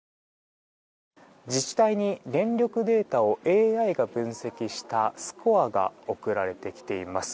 自治体に電力データをＡＩが分析したスコアが送られてきています。